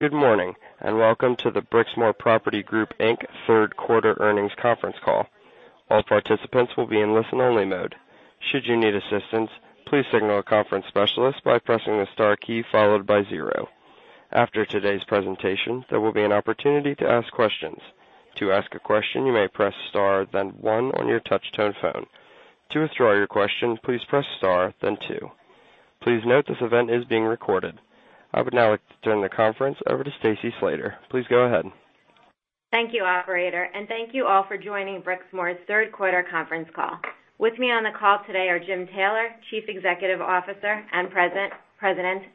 Good morning, welcome to the Brixmor Property Group Inc. third quarter earnings conference call. All participants will be in listen-only mode. Should you need assistance, please signal a conference specialist by pressing the star key followed by zero. After today's presentation, there will be an opportunity to ask questions. To ask a question, you may press star, then one on your touch-tone phone. To withdraw your question, please press star, then two. Please note this event is being recorded. I would now like to turn the conference over to Stacy Slater. Please go ahead. Thank you, operator, thank you all for joining Brixmor's third quarter conference call. With me on the call today are Jim Taylor, Chief Executive Officer and President,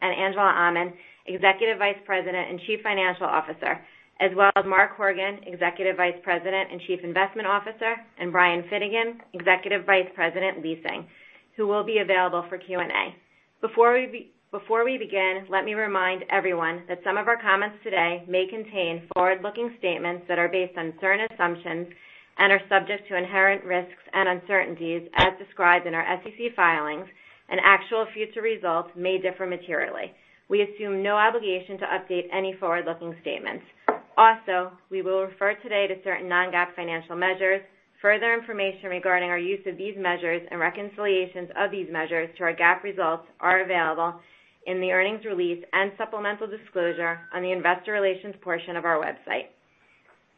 Angela Aman, Executive Vice President and Chief Financial Officer, as well as Mark Horgan, Executive Vice President and Chief Investment Officer, Brian Finnegan, Executive Vice President, Leasing, who will be available for Q&A. Before we begin, let me remind everyone that some of our comments today may contain forward-looking statements that are based on certain assumptions and are subject to inherent risks and uncertainties as described in our SEC filings, actual future results may differ materially. We assume no obligation to update any forward-looking statements. Also, we will refer today to certain non-GAAP financial measures. Further information regarding our use of these measures and reconciliations of these measures to our GAAP results are available in the earnings release and supplemental disclosure on the investor relations portion of our website.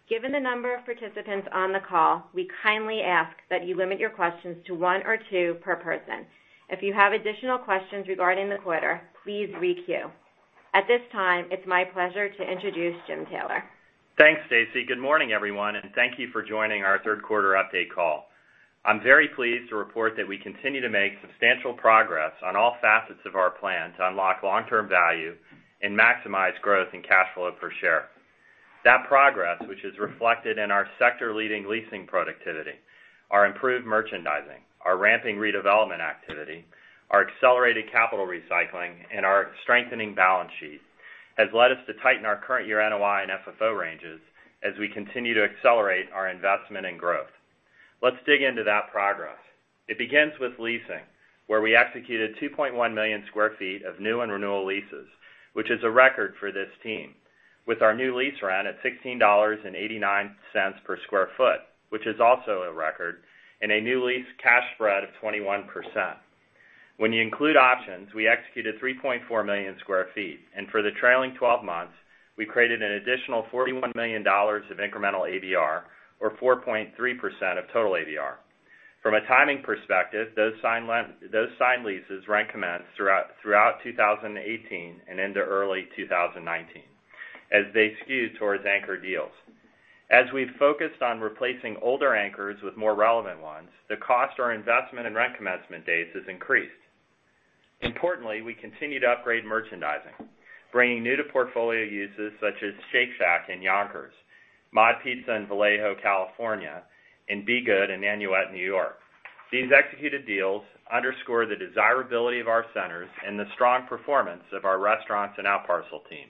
Given the number of participants on the call, we kindly ask that you limit your questions to one or two per person. If you have additional questions regarding the quarter, please re-queue. At this time, it's my pleasure to introduce Jim Taylor. Thanks, Stacy. Good morning, everyone, thank you for joining our third quarter update call. I'm very pleased to report that we continue to make substantial progress on all facets of our plan to unlock long-term value and maximize growth in cash flow per share. That progress, which is reflected in our sector-leading leasing productivity, our improved merchandising, our ramping redevelopment activity, our accelerated capital recycling, and our strengthening balance sheet, has led us to tighten our current year NOI and FFO ranges as we continue to accelerate our investment and growth. Let's dig into that progress. It begins with leasing, where we executed 2.1 million sq ft of new and renewal leases, which is a record for this team. With our new lease run at $16.89 per sq ft, which is also a record, and a new lease cash spread of 21%. When you include options, we executed 3.4 million square feet. For the trailing 12 months, we created an additional $41 million of incremental ADR, or 4.3% of total ADR. From a timing perspective, those signed leases rent commence throughout 2018 and into early 2019, as they skewed towards anchor deals. As we've focused on replacing older anchors with more relevant ones, the cost, our investment, and rent commencement dates has increased. Importantly, we continue to upgrade merchandising, bringing new-to-portfolio uses such as Shake Shack in Yonkers, MOD Pizza in Vallejo, California, and B.GOOD in Nanuet, New York. These executed deals underscore the desirability of our centers and the strong performance of our restaurants and out parcel team.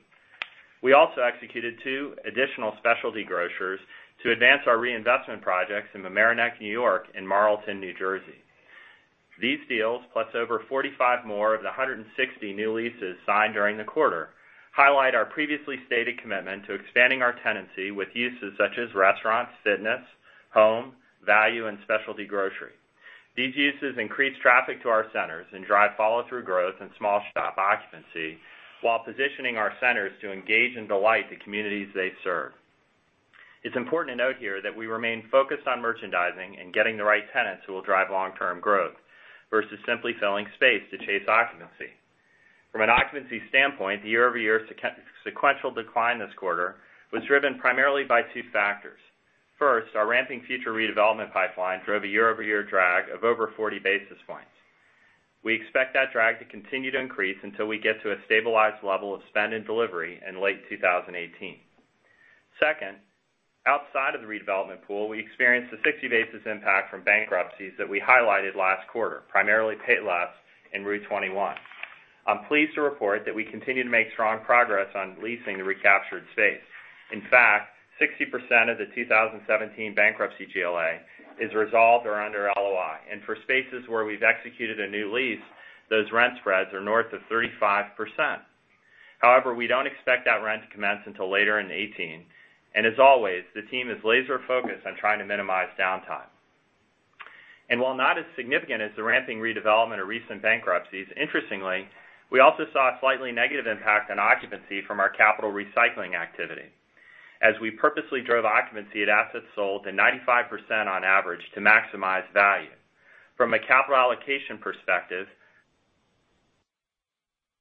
We also executed two additional specialty grocers to advance our reinvestment projects in Mamaroneck, New York, and Marlton, New Jersey. These deals, plus over 45 more of the 160 new leases signed during the quarter, highlight our previously stated commitment to expanding our tenancy with uses such as restaurants, fitness, home, value, and specialty grocery. These uses increase traffic to our centers and drive follow-through growth in small shop occupancy while positioning our centers to engage and delight the communities they serve. It's important to note here that we remain focused on merchandising and getting the right tenants who will drive long-term growth versus simply selling space to chase occupancy. From an occupancy standpoint, the year-over-year sequential decline this quarter was driven primarily by two factors. First, our ramping future redevelopment pipeline drove a year-over-year drag of over 40 basis points. We expect that drag to continue to increase until we get to a stabilized level of spend and delivery in late 2018. Second, outside of the redevelopment pool, we experienced a 60 basis impact from bankruptcies that we highlighted last quarter, primarily Payless and rue21. I'm pleased to report that we continue to make strong progress on leasing the recaptured space. In fact, 60% of the 2017 bankruptcy GLA is resolved or under LOI. For spaces where we've executed a new lease, those rent spreads are north of 35%. However, we don't expect that rent to commence until later in 2018. As always, the team is laser focused on trying to minimize downtime. While not as significant as the ramping redevelopment of recent bankruptcies, interestingly, we also saw a slightly negative impact on occupancy from our capital recycling activity. As we purposely drove occupancy at assets sold to 95% on average to maximize value. From a capital allocation perspective,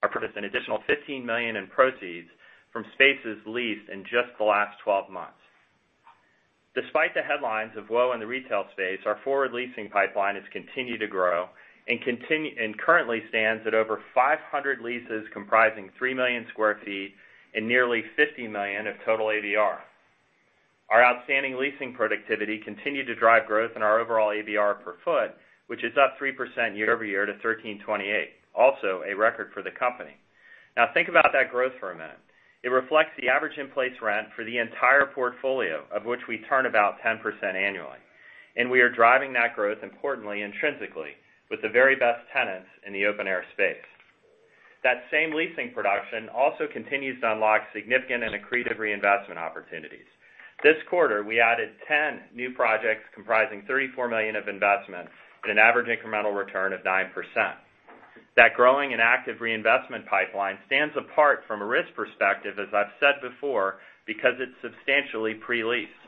our purpose an additional $15 million in proceeds from spaces leased in just the last 12 months. Despite the headlines of woe in the retail space, our forward leasing pipeline has continued to grow and currently stands at over 500 leases comprising 3 million square feet and nearly $50 million of total ADR. Our outstanding leasing productivity continued to drive growth in our overall ADR per foot, which is up 3% year-over-year to $13.28, also a record for the company. Now, think about that growth for a minute. It reflects the average in-place rent for the entire portfolio, of which we turn about 10% annually. We are driving that growth importantly intrinsically, with the very best tenants in the open-air space. That same leasing production also continues to unlock significant and accretive reinvestment opportunities. This quarter, we added 10 new projects comprising $34 million of investment at an average incremental return of 9%. That growing and active reinvestment pipeline stands apart from a risk perspective, as I've said before, because it's substantially pre-leased.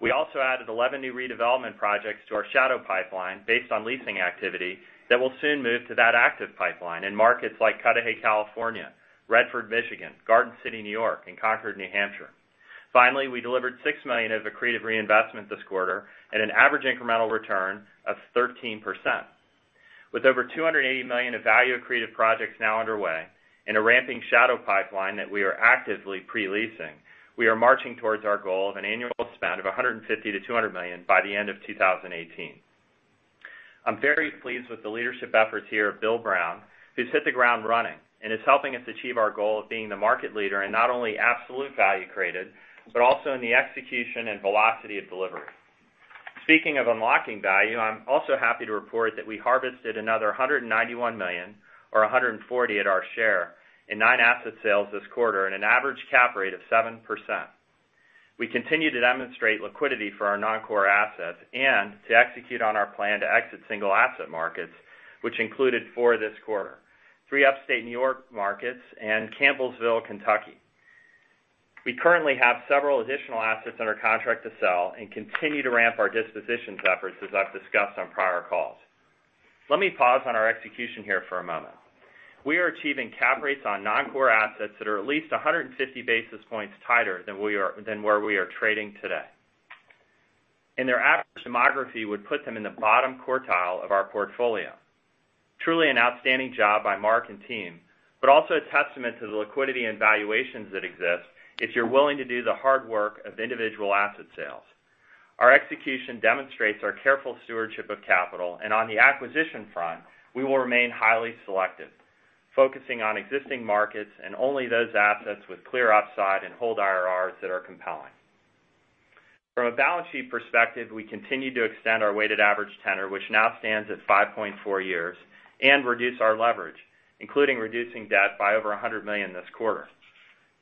We also added 11 new redevelopment projects to our shadow pipeline based on leasing activity that will soon move to that active pipeline in markets like Cudahy, California, Redford, Michigan, Garden City, New York, and Concord, New Hampshire. Finally, we delivered $6 million of accretive reinvestment this quarter at an average incremental return of 13%. With over $280 million of value accretive projects now underway and a ramping shadow pipeline that we are actively pre-leasing, we are marching towards our goal of an annual spend of $150 million to $200 million by the end of 2018. I'm very pleased with the leadership efforts here of Bill Brown, who's hit the ground running and is helping us achieve our goal of being the market leader in not only absolute value created, but also in the execution and velocity of delivery. Speaking of unlocking value, I'm also happy to report that we harvested another $191 million, or $140 at our share, in nine asset sales this quarter at an average cap rate of 7%. We continue to demonstrate liquidity for our non-core assets and to execute on our plan to exit single asset markets, which included four this quarter, three Upstate New York markets and Campbellsville, Kentucky. We currently have several additional assets under contract to sell and continue to ramp our dispositions efforts, as I've discussed on prior calls. Let me pause on our execution here for a moment. We are achieving cap rates on non-core assets that are at least 150 basis points tighter than where we are trading today. Their average demography would put them in the bottom quartile of our portfolio. Truly an outstanding job by Mark and team, but also a testament to the liquidity and valuations that exist if you're willing to do the hard work of individual asset sales. Our execution demonstrates our careful stewardship of capital. On the acquisition front, we will remain highly selective, focusing on existing markets and only those assets with clear upside and hold IRRs that are compelling. From a balance sheet perspective, we continue to extend our weighted average tenor, which now stands at 5.4 years, and reduce our leverage, including reducing debt by over $100 million this quarter.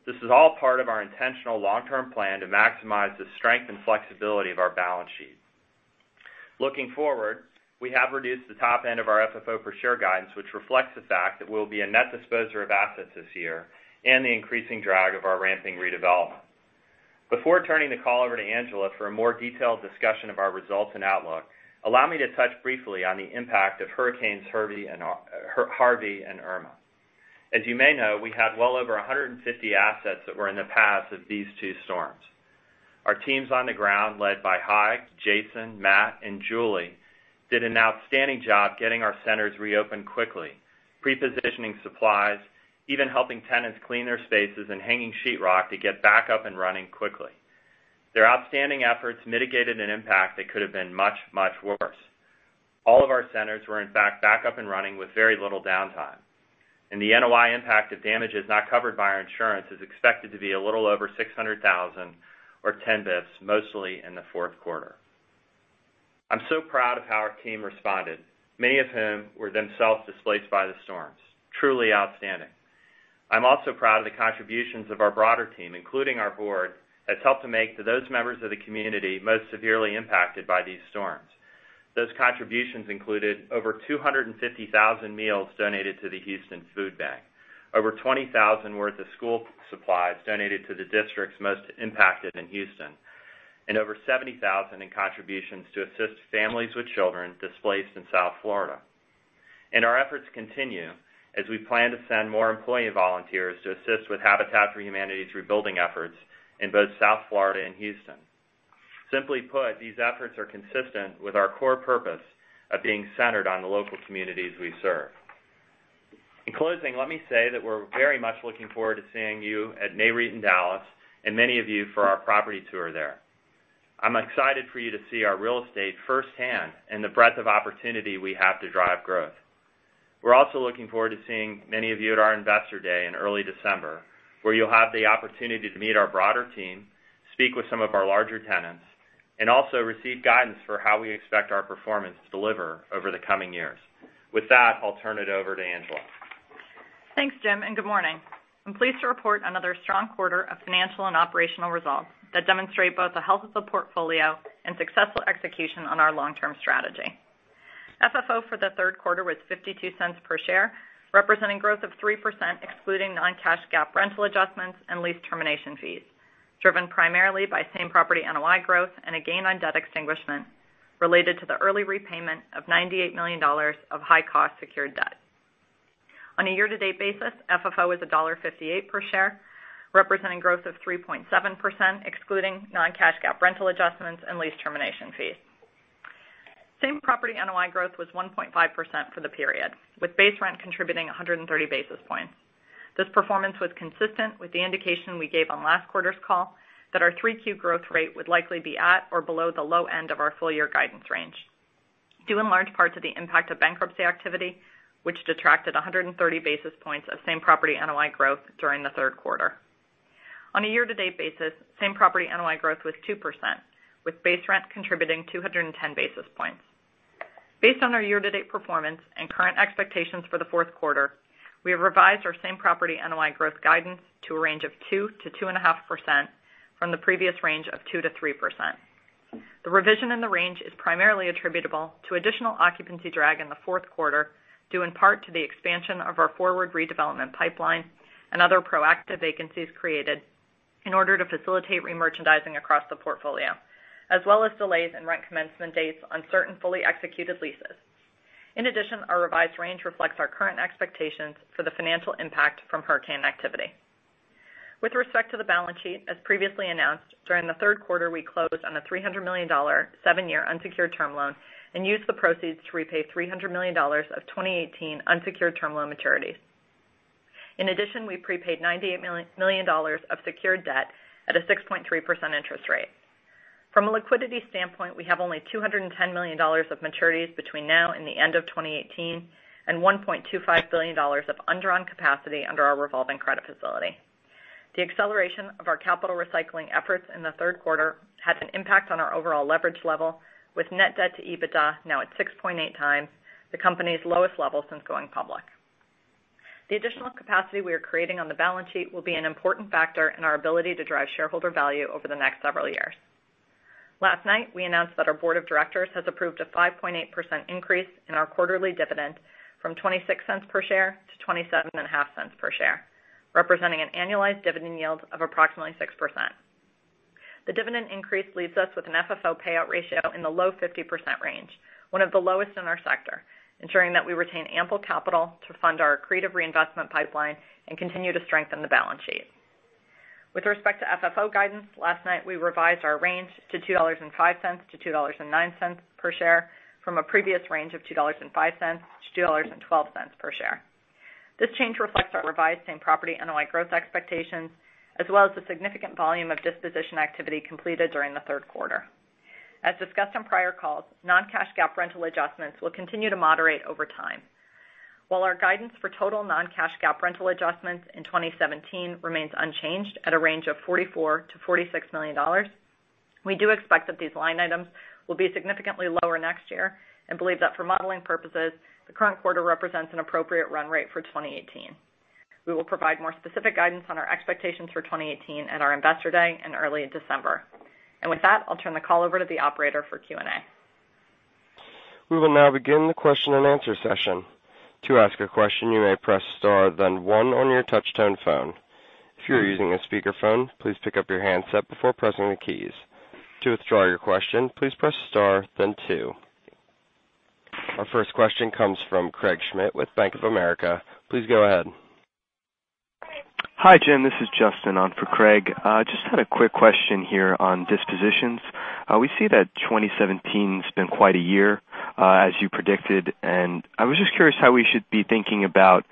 This is all part of our intentional long-term plan to maximize the strength and flexibility of our balance sheet. Looking forward, we have reduced the top end of our FFO per share guidance, which reflects the fact that we'll be a net disposer of assets this year and the increasing drag of our ramping redevelopment. Before turning the call over to Angela for a more detailed discussion of our results and outlook, allow me to touch briefly on the impact of Hurricanes Harvey and Irma. As you may know, we had well over 150 assets that were in the paths of these two storms. Our teams on the ground, led by Hai, Jason, Matt, and Julie, did an outstanding job getting our centers reopened quickly, pre-positioning supplies, even helping tenants clean their spaces and hanging sheetrock to get back up and running quickly. Their outstanding efforts mitigated an impact that could have been much, much worse. All of our centers were in fact back up and running with very little downtime, and the NOI impact of damages not covered by our insurance is expected to be a little over $600,000 or 10 basis points, mostly in the fourth quarter. I'm so proud of how our team responded, many of whom were themselves displaced by the storms. Truly outstanding. I'm also proud of the contributions of our broader team, including our board, that's helped to make to those members of the community most severely impacted by these storms. Those contributions included over 250,000 meals donated to the Houston Food Bank, over $20,000 worth of school supplies donated to the districts most impacted in Houston, and over $70,000 in contributions to assist families with children displaced in South Florida. Our efforts continue as we plan to send more employee volunteers to assist with Habitat for Humanity's rebuilding efforts in both South Florida and Houston. Simply put, these efforts are consistent with our core purpose of being centered on the local communities we serve. In closing, let me say that we're very much looking forward to seeing you at Nareit in Dallas and many of you for our property tour there. I'm excited for you to see our real estate firsthand and the breadth of opportunity we have to drive growth. We're also looking forward to seeing many of you at our Investor Day in early December, where you'll have the opportunity to meet our broader team, speak with some of our larger tenants, and also receive guidance for how we expect our performance to deliver over the coming years. With that, I'll turn it over to Angela. Thanks, Jim, good morning. I'm pleased to report another strong quarter of financial and operational results that demonstrate both the health of the portfolio and successful execution on our long-term strategy. FFO for the third quarter was $0.52 per share, representing growth of 3% excluding non-cash GAAP rental adjustments and lease termination fees, driven primarily by same-property NOI growth and a gain on debt extinguishment related to the early repayment of $98 million of high-cost secured debt. On a year-to-date basis, FFO is $1.58 per share, representing growth of 3.7%, excluding non-cash GAAP rental adjustments and lease termination fees. Same-property NOI growth was 1.5% for the period, with base rent contributing 130 basis points. This performance was consistent with the indication we gave on last quarter's call that our 3Q growth rate would likely be at or below the low end of our full-year guidance range, due in large part to the impact of bankruptcy activity, which detracted 130 basis points of same-property NOI growth during the third quarter. On a year-to-date basis, same-property NOI growth was 2%, with base rent contributing 210 basis points. Based on our year-to-date performance and current expectations for the fourth quarter, we have revised our same-property NOI growth guidance to a range of 2%-2.5% from the previous range of 2%-3%. The revision in the range is primarily attributable to additional occupancy drag in the fourth quarter, due in part to the expansion of our forward redevelopment pipeline and other proactive vacancies created in order to facilitate remerchandising across the portfolio, as well as delays in rent commencement dates on certain fully executed leases. In addition, our revised range reflects our current expectations for the financial impact from hurricane activity. With respect to the balance sheet, as previously announced, during the third quarter, we closed on a $300 million seven-year unsecured term loan and used the proceeds to repay $300 million of 2018 unsecured term loan maturities. In addition, we prepaid $98 million of secured debt at a 6.3% interest rate. From a liquidity standpoint, we have only $210 million of maturities between now and the end of 2018 and $1.25 billion of undrawn capacity under our revolving credit facility. The acceleration of our capital recycling efforts in the third quarter had an impact on our overall leverage level, with net debt to EBITDA now at 6.8 times, the company's lowest level since going public. The additional capacity we are creating on the balance sheet will be an important factor in our ability to drive shareholder value over the next several years. Last night, we announced that our board of directors has approved a 5.8% increase in our quarterly dividend from $0.26 per share to $0.275 per share, representing an annualized dividend yield of approximately 6%. The dividend increase leaves us with an FFO payout ratio in the low 50% range, one of the lowest in our sector, ensuring that we retain ample capital to fund our accretive reinvestment pipeline and continue to strengthen the balance sheet. With respect to FFO guidance, last night, we revised our range to $2.05-$2.09 per share from a previous range of $2.05-$2.12 per share. This change reflects our revised same-property NOI growth expectations, as well as the significant volume of disposition activity completed during the third quarter. As discussed on prior calls, non-cash GAAP rental adjustments will continue to moderate over time. While our guidance for total non-cash GAAP rental adjustments in 2017 remains unchanged at a range of $44 million-$46 million, we do expect that these line items will be significantly lower next year and believe that for modeling purposes, the current quarter represents an appropriate run rate for 2018. With that, I'll turn the call over to the operator for Q&A. We will now begin the question and answer session. To ask a question, you may press star then one on your touch-tone phone. If you are using a speakerphone, please pick up your handset before pressing the keys. To withdraw your question, please press star then two. Our first question comes from Craig Schmidt with Bank of America. Please go ahead. Hi, Jim. This is Justin on for Craig. Had a quick question here on dispositions. We see that 2017's been quite a year, as you predicted. I was curious how we should be thinking about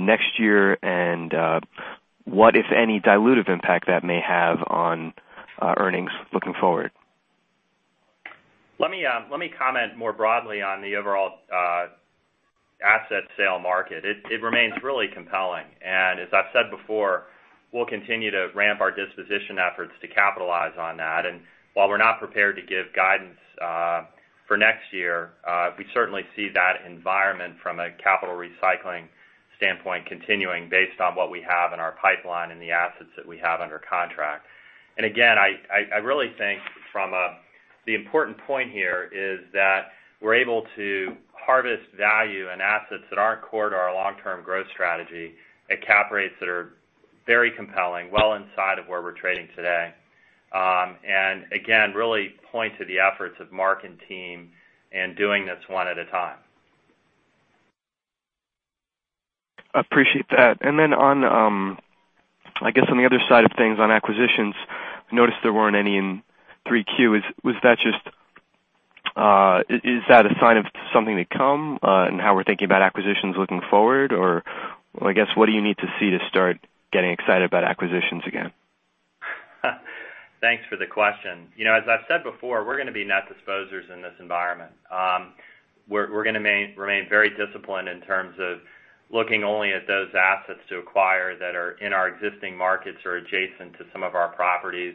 next year and what, if any, dilutive impact that may have on earnings looking forward. Let me comment more broadly on the overall asset sale market. It remains really compelling. As I've said before, we'll continue to ramp our disposition efforts to capitalize on that. While we're not prepared to give guidance for next year, we certainly see that environment from a capital recycling standpoint continuing based on what we have in our pipeline and the assets that we have under contract. Again, I really think the important point here is that we're able to harvest value and assets that aren't core to our long-term growth strategy at cap rates that are very compelling, well inside of where we're trading today. Again, really point to the efforts of Mark and team in doing this one at a time. Appreciate that. On the other side of things, on acquisitions, I noticed there weren't any in Q3. Is that a sign of something to come in how we're thinking about acquisitions looking forward, what do you need to see to start getting excited about acquisitions again? Thanks for the question. As I've said before, we're going to be net disposers in this environment. We're going to remain very disciplined in terms of looking only at those assets to acquire that are in our existing markets or adjacent to some of our properties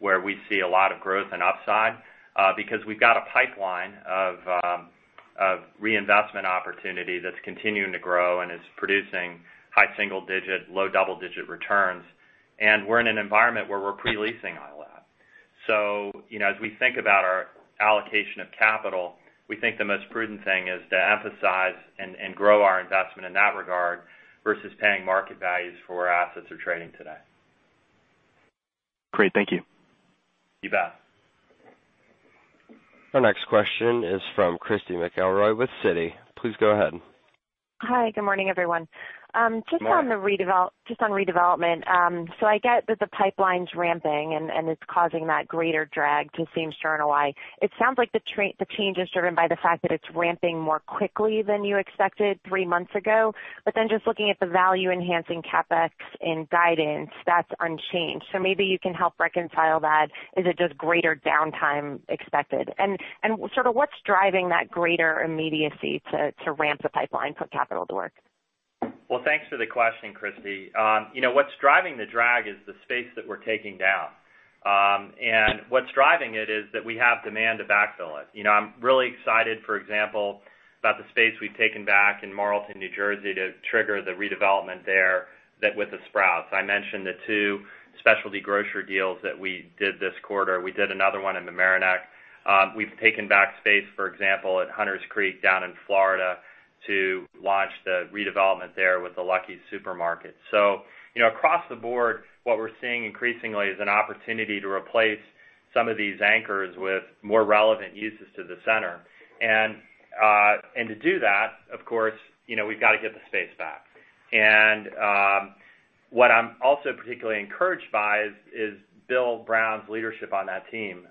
where we see a lot of growth and upside. We've got a pipeline of reinvestment opportunity that's continuing to grow and is producing high single-digit, low double-digit returns, and we're in an environment where we're pre-leasing all that. As we think about our allocation of capital, we think the most prudent thing is to emphasize and grow our investment in that regard versus paying market values for where assets are trading today. Great. Thank you. You bet. Our next question is from Christy McElroy with Citi. Please go ahead. Hi. Good morning, everyone. Morning. Just on redevelopment. I get that the pipeline's ramping, and it's causing that greater drag to same-store NOI. It sounds like the change is driven by the fact that it's ramping more quickly than you expected three months ago. Just looking at the value-enhancing CapEx in guidance, that's unchanged. Maybe you can help reconcile that. Is it just greater downtime expected? Sort of what's driving that greater immediacy to ramp the pipeline, put capital to work? Well, thanks for the question, Christy. What's driving the drag is the space that we're taking down. What's driving it is that we have demand to backfill it. I'm really excited, for example, about the space we've taken back in Marlton, New Jersey, to trigger the redevelopment there with the Sprouts. I mentioned the two specialty grocery deals that we did this quarter. We did another one in Mamaroneck. We've taken back space, for example, at Hunter's Creek down in Florida to launch the redevelopment there with the Lucky supermarket. Across the board, what we're seeing increasingly is an opportunity to replace some of these anchors with more relevant uses to the center. To do that, of course, we've got to get the space back. What I'm also particularly encouraged by is Bill Brown's leadership on that team.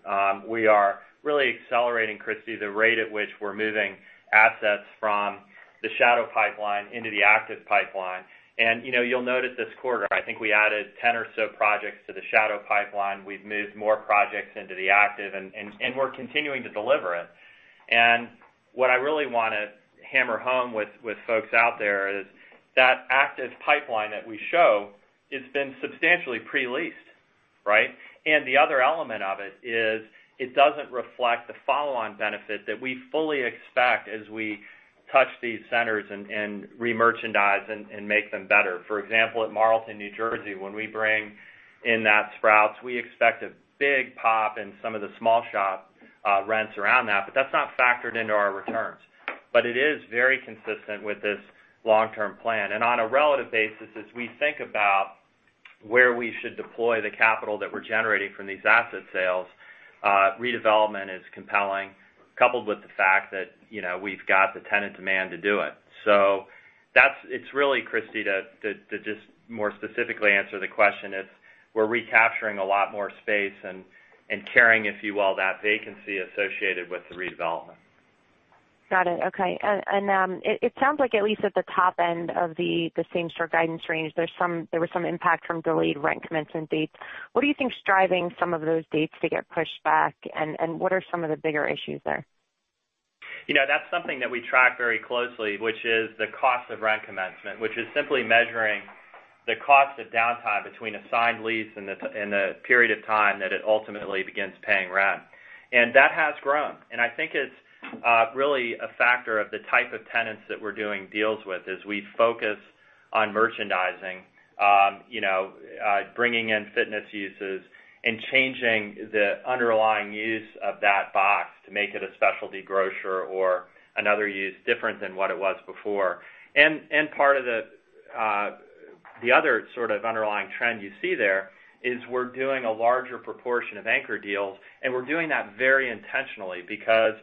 We are really accelerating, Christy, the rate at which we're moving assets from the shadow pipeline into the active pipeline. You'll notice this quarter, I think we added 10 or so projects to the shadow pipeline. We've moved more projects into the active, and we're continuing to deliver it. What I really want to hammer home with folks out there is that active pipeline that we show, it's been substantially pre-leased. Right? The other element of it is it doesn't reflect the follow-on benefit that we fully expect as we touch these centers and remerchandise and make them better. For example, at Marlton, New Jersey, when we bring in that Sprouts, we expect a big pop in some of the small shop rents around that, but that's not factored into our returns. It is very consistent with this long-term plan. On a relative basis, as we think about where we should deploy the capital that we're generating from these asset sales, redevelopment is compelling, coupled with the fact that we've got the tenant demand to do it. It's really, Christy, to just more specifically answer the question, is we're recapturing a lot more space and carrying, if you will, that vacancy associated with the redevelopment. Got it. Okay. It sounds like at least at the top end of the same-store guidance range, there was some impact from delayed rent commencement dates. What do you think is driving some of those dates to get pushed back, and what are some of the bigger issues there? That's something that we track very closely, which is the cost of rent commencement. Which is simply measuring the cost of downtime between a signed lease and the period of time that it ultimately begins paying rent. That has grown. I think it's really a factor of the type of tenants that we're doing deals with as we focus on merchandising, bringing in fitness uses, and changing the underlying use of that box to make it a specialty grocer or another use different than what it was before. Part of the other sort of underlying trend you see there is we're doing a larger proportion of anchor deals, and we're doing that very intentionally because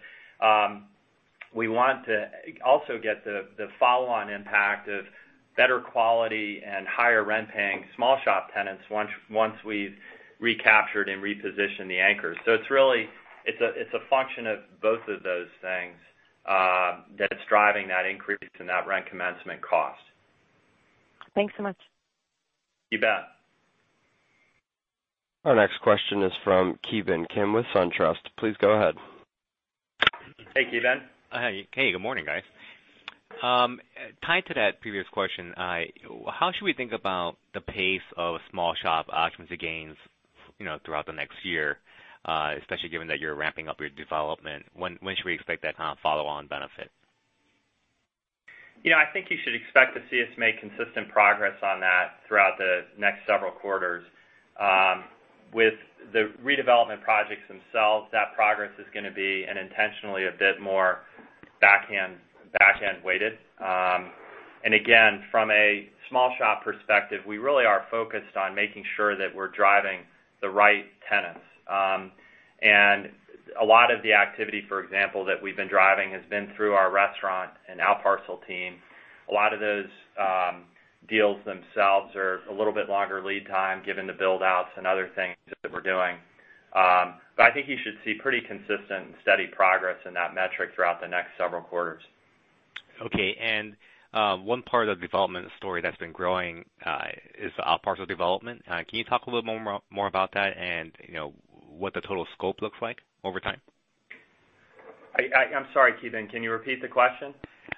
we want to also get the follow-on impact of better quality and higher rent-paying small shop tenants once we've recaptured and repositioned the anchors. It's a function of both of those things that is driving that increase in that rent commencement cost. Thanks so much. You bet. Our next question is from Ki Bin Kim with SunTrust. Please go ahead. Hey, Ki Bin. Hey, good morning, guys. Tied to that previous question, how should we think about the pace of small shop occupancy gains throughout the next year, especially given that you're ramping up your development? When should we expect that kind of follow-on benefit? I think you should expect to see us make consistent progress on that throughout the next several quarters. With the redevelopment projects themselves, that progress is going to be intentionally a bit more back-end weighted. Again, from a small shop perspective, we really are focused on making sure that we're driving the right tenants. A lot of the activity, for example, that we've been driving has been through our restaurant and outparcel team. A lot of those deals themselves are a little bit longer lead time, given the build-outs and other things that we're doing. I think you should see pretty consistent and steady progress in that metric throughout the next several quarters. Okay, one part of the development story that's been growing is the outparcel development. Can you talk a little bit more about that and what the total scope looks like over time? I'm sorry, Ki Bin, can you repeat the question?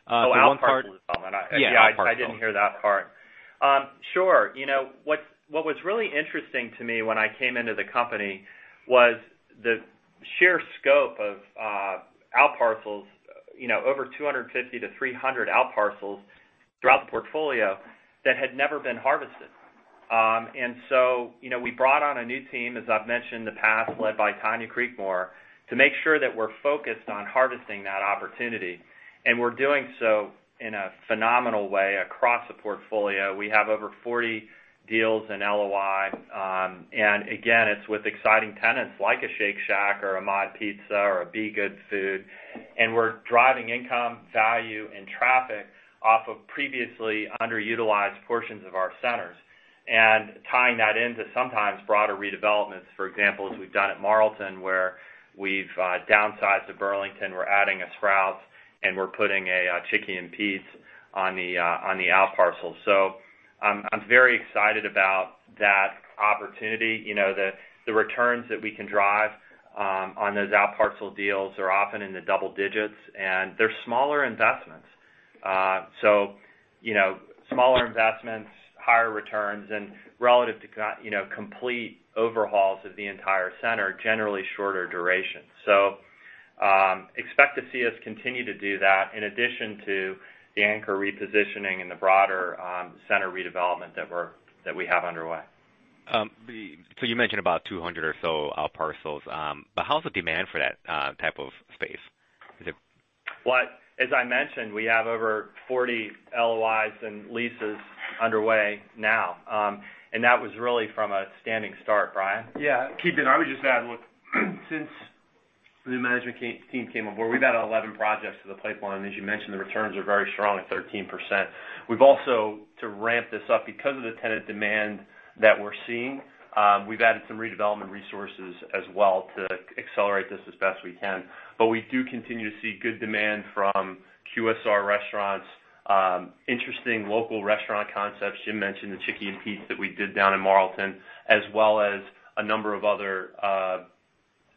The one part- Outparcel development. Outparcel development. I didn't hear that part. Sure. What was really interesting to me when I came into the company was the sheer scope of outparcels, over 250-300 outparcels throughout the portfolio that had never been harvested. We brought on a new team, as I've mentioned in the past, led by Tonya Creekmore, to make sure that we're focused on harvesting that opportunity. We're doing so in a phenomenal way across the portfolio. We have over 40 deals in LOI. Again, it's with exciting tenants like a Shake Shack or a MOD Pizza or a B.GOOD food, and we're driving income, value, and traffic off of previously underutilized portions of our centers. Tying that into sometimes broader redevelopments, for example, as we've done at Marlton, where we've downsized the Burlington, we're adding a Sprouts, and we're putting a Chickie's and Pete's on the outparcel. I'm very excited about that opportunity. The returns that we can drive on those out-parcel deals are often in the double digits, and they're smaller investments. Smaller investments, higher returns, and relative to complete overhauls of the entire center, generally shorter duration. Expect to see us continue to do that in addition to the anchor repositioning and the broader center redevelopment that we have underway. You mentioned about 200 or so out-parcels. How's the demand for that type of space? As I mentioned, we have over 40 LOIs and leases underway now. That was really from a standing start, Brian? Yeah. Ki, I would just add, look, since the management team came aboard, we've added 11 projects to the pipeline. As you mentioned, the returns are very strong at 13%. We've also, to ramp this up, because of the tenant demand that we're seeing, we've added some redevelopment resources as well to accelerate this as best we can. We do continue to see good demand from QSR restaurants, interesting local restaurant concepts. Jim mentioned the Chickie's and Pete's that we did down in Marlton, as well as a number of other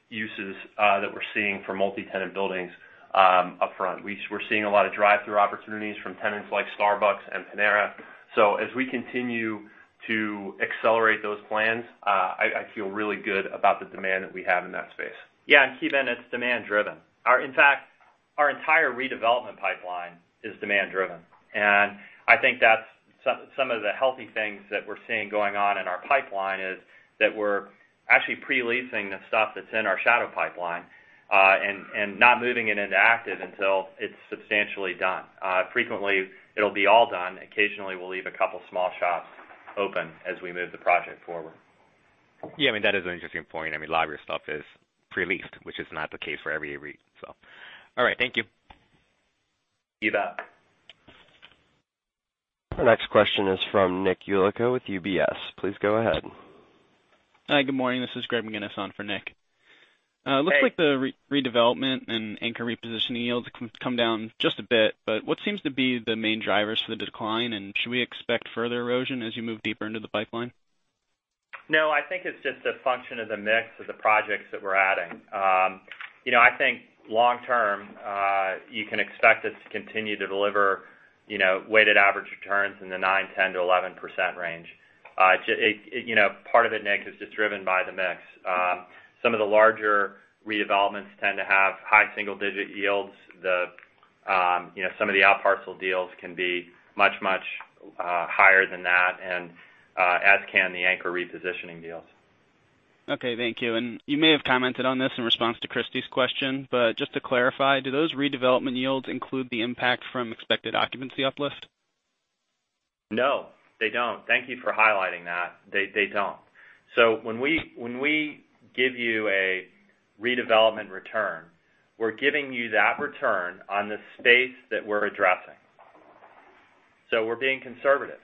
uses that we're seeing for multi-tenant buildings upfront. We're seeing a lot of drive-through opportunities from tenants like Starbucks and Panera. As we continue to accelerate those plans, I feel really good about the demand that we have in that space. Yeah. Ki, it's demand driven. In fact, our entire redevelopment pipeline is demand driven. I think that's some of the healthy things that we're seeing going on in our pipeline is that we're actually pre-leasing the stuff that's in our shadow pipeline, and not moving it into active until it's substantially done. Frequently, it'll be all done. Occasionally, we'll leave a couple of small shops open as we move the project forward. Yeah, that is an interesting point. A lot of your stuff is pre-leased, which is not the case for every REIT. All right. Thank you. You bet. Our next question is from Nick Yulico with UBS. Please go ahead. Hi. Good morning. This is Greg McGinniss on for Nick. Hey. It looks like the redevelopment and anchor repositioning yields have come down just a bit, what seems to be the main drivers for the decline, and should we expect further erosion as you move deeper into the pipeline? I think it's just a function of the mix of the projects that we're adding. I think long term, you can expect us to continue to deliver weighted average returns in the 9%, 10%-11% range. Part of it, Nick, is just driven by the mix. Some of the larger redevelopments tend to have high single-digit yields. Some of the out-parcel deals can be much, much higher than that, as can the anchor repositioning deals. Okay, thank you. You may have commented on this in response to Christy's question, just to clarify, do those redevelopment yields include the impact from expected occupancy uplift? They don't. Thank you for highlighting that. They don't. When we give you a redevelopment return, we're giving you that return on the space that we're addressing. We're being conservative.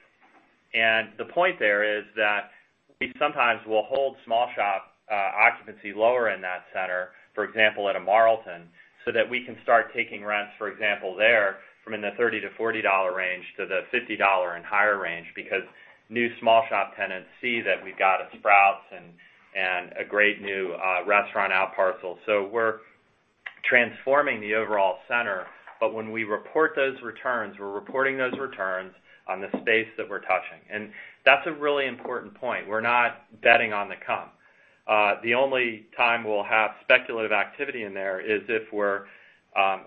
The point there is that we sometimes will hold small shop occupancy lower in that center, for example, at a Marlton, so that we can start taking rents, for example, there, from in the $30-$40 range to the $50 and higher range because new small shop tenants see that we've got a Sprouts and a great new restaurant out parcel. We're transforming the overall center. When we report those returns, we're reporting those returns on the space that we're touching. That's a really important point. We're not betting on the come. The only time we'll have speculative activity in there is if we're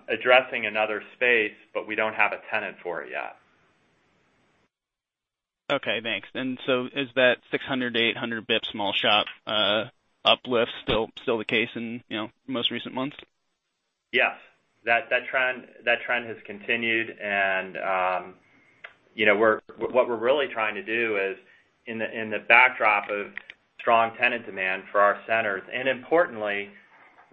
addressing another space, but we don't have a tenant for it yet. Okay, thanks. Is that 600 to 800 basis points small shop uplift still the case in most recent months? Yes. That trend has continued and what we're really trying to do is in the backdrop of strong tenant demand for our centers, and importantly,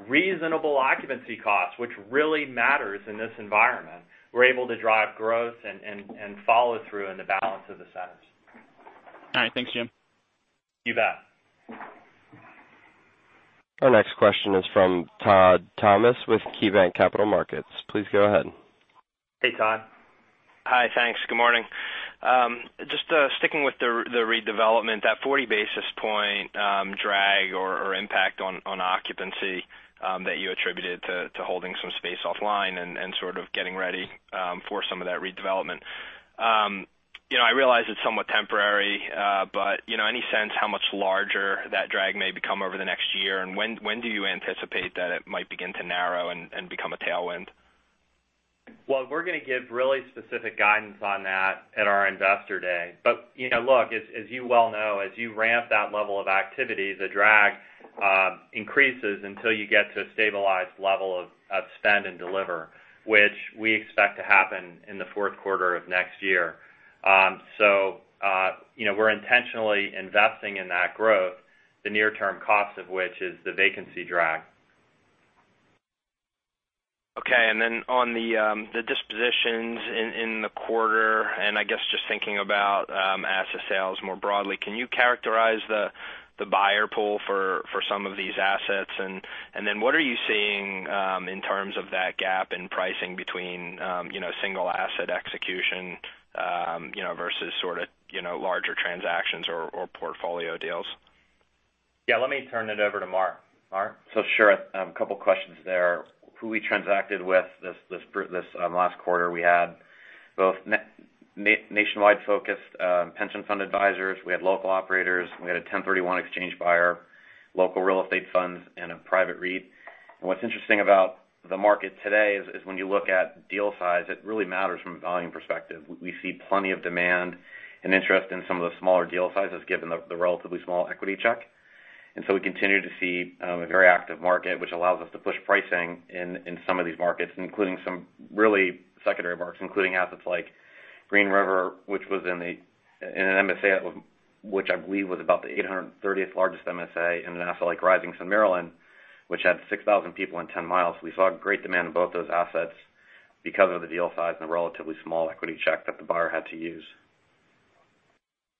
reasonable occupancy costs, which really matters in this environment. We're able to drive growth and follow through in the balance of the centers. All right. Thanks, Jim. You bet. Our next question is from Todd Thomas with KeyBanc Capital Markets. Please go ahead. Hey, Todd. Hi. Thanks. Good morning. Just sticking with the redevelopment, that 40 basis point drag or impact on occupancy that you attributed to holding some space offline and sort of getting ready for some of that redevelopment. I realize it's somewhat temporary, but any sense how much larger that drag may become over the next year, and when do you anticipate that it might begin to narrow and become a tailwind? We're going to give really specific guidance on that at our investor day. As you well know, as you ramp that level of activity, the drag increases until you get to a stabilized level of spend and deliver, which we expect to happen in the fourth quarter of next year. We're intentionally investing in that growth, the near-term cost of which is the vacancy drag. On the dispositions in the quarter, I guess just thinking about asset sales more broadly, can you characterize the buyer pool for some of these assets, what are you seeing in terms of that gap in pricing between single asset execution versus sort of larger transactions or portfolio deals? Let me turn it over to Mark. Mark? Sure. A couple of questions there. Who we transacted with this last quarter, we had both nationwide-focused pension fund advisors, we had local operators, we had a 1031 exchange buyer, local real estate funds, and a private REIT. What's interesting about the market today is when you look at deal size, it really matters from a volume perspective. We see plenty of demand and interest in some of the smaller deal sizes, given the relatively small equity check. We continue to see a very active market, which allows us to push pricing in some of these markets, including some really secondary markets, including assets like Green River, which was in an MSA, which I believe was about the 830th largest MSA, and an asset like Rising Sun, Maryland, which had 6,000 people in 10 miles. We saw great demand in both those assets because of the deal size and the relatively small equity check that the buyer had to use.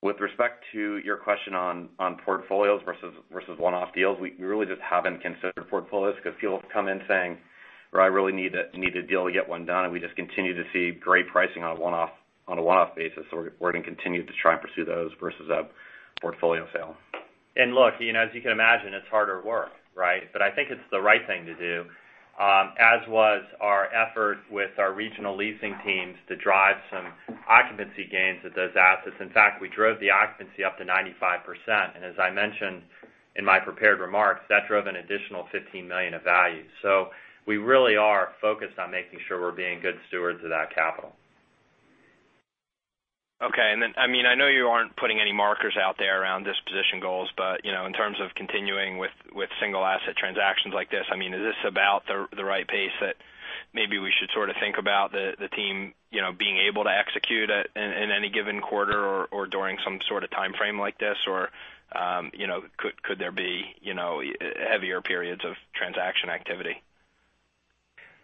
With respect to your question on portfolios versus one-off deals, we really just haven't considered portfolios because people have come in saying, "I really need a deal to get one done," we're going to continue to try and pursue those versus a portfolio sale. Look, as you can imagine, it's harder work. I think it's the right thing to do, as was our effort with our regional leasing teams to drive some occupancy gains at those assets. In fact, we drove the occupancy up to 95%, and as I mentioned in my prepared remarks, that drove an additional $15 million of value. We really are focused on making sure we're being good stewards of that capital. Okay. I know you aren't putting any markers out there around disposition goals, in terms of continuing with single-asset transactions like this, is this about the right pace that maybe we should sort of think about the team being able to execute in any given quarter or during some sort of timeframe like this? Or could there be heavier periods of transaction activity?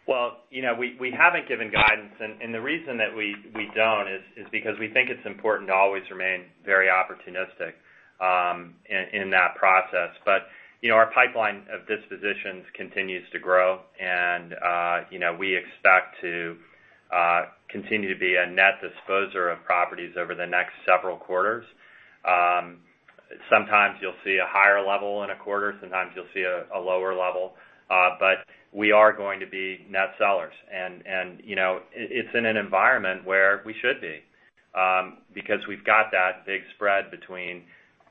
Well, we haven't given guidance, the reason that we don't is because we think it's important to always remain very opportunistic in that process. Our pipeline of dispositions continues to grow, we expect to continue to be a net disposer of properties over the next several quarters. Sometimes you'll see a higher level in a quarter, sometimes you'll see a lower level. We are going to be net sellers. It's in an environment where we should be, because we've got that big spread between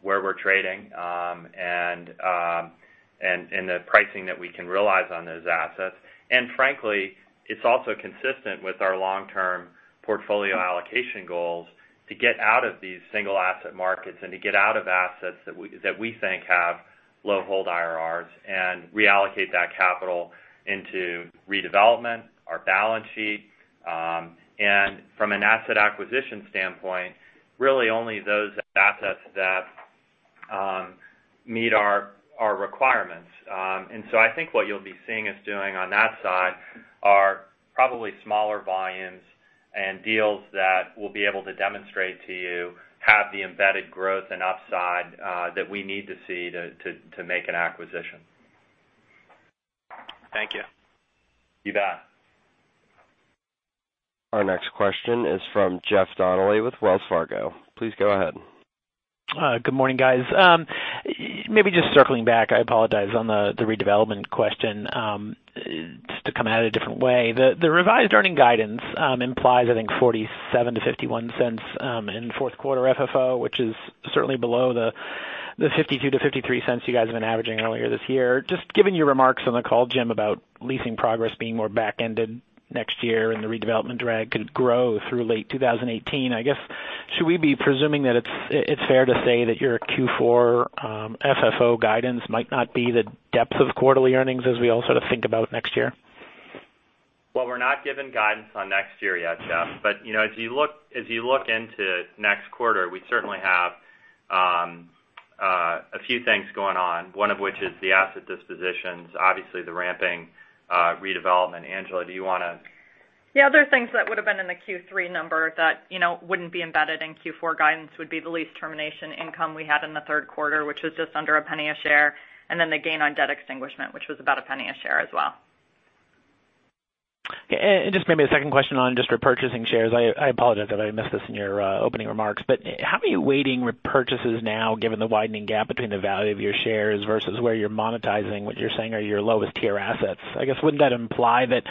where we're trading and the pricing that we can realize on those assets. Frankly, it's also consistent with our long-term portfolio allocation goals to get out of these single-asset markets and to get out of assets that we think have low hold IRRs and reallocate that capital into redevelopment, our balance sheet. From an asset acquisition standpoint, really only those assets that meet our requirements. I think what you'll be seeing us doing on that side are probably smaller volumes and deals that we'll be able to demonstrate to you have the embedded growth and upside that we need to see to make an acquisition. Thank you. You bet. Our next question is from Jeff Donnelly with Wells Fargo. Please go ahead. Good morning, guys. Maybe just circling back, I apologize, on the redevelopment question, just to come at it a different way. The revised earning guidance implies, I think, $0.47-$0.51 in fourth quarter FFO, which is certainly below the $0.52-$0.53 you guys have been averaging earlier this year. Just given your remarks on the call, Jim, about leasing progress being more back-ended next year and the redevelopment drag could grow through late 2018, I guess, should we be presuming that it's fair to say that your Q4 FFO guidance might not be the depth of quarterly earnings as we all sort of think about next year? Well, we're not giving guidance on next year yet, Jeff. As you look into next quarter, we certainly have a few things going on, one of which is the asset dispositions, obviously the ramping redevelopment. Angela, do you want to The other things that would've been in the Q3 number that wouldn't be embedded in Q4 guidance would be the lease termination income we had in the third quarter, which was just under $0.01 a share, and then the gain on debt extinguishment, which was about $0.01 a share as well. Just maybe a second question on just repurchasing shares. I apologize if I missed this in your opening remarks, but how are you weighting repurchases now given the widening gap between the value of your shares versus where you're monetizing what you're saying are your lowest-tier assets? I guess, wouldn't that imply that